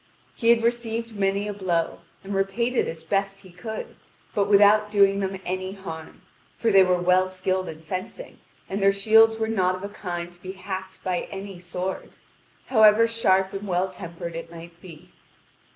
He had received many a blow, and repaid it as best he could, but without doing them any harm, for they were well skilled in fencing, and their shields were not of a kind to be hacked by any sword, however sharp and well tempered it might be.